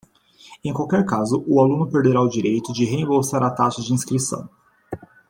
Em qualquer caso, o aluno perderá o direito de reembolsar a taxa de inscrição.